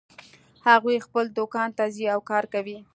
هغوی خپل دوکان ته ځي او کار کوي